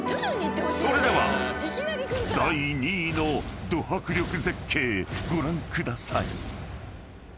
［それでは第２位のド迫力絶景ご覧ください］